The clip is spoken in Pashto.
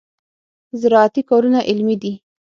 زراعتي کارونه علمي دي.